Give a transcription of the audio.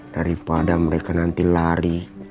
harip ada mereka nanti lari